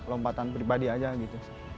lompatan pribadi aja gitu